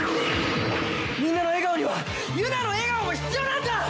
みんなの笑顔にはユナの笑顔も必要なんだ！